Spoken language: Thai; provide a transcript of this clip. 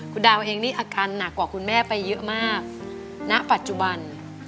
คุณดาวเองนี่อาการหนักกว่าคุณแม่ไปเยอะมากณปัจจุบัน